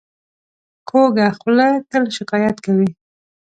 کوږه خوله تل شکایت کوي